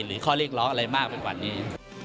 หรือข้อเรียกร้องอะไรมากไปกว่านี้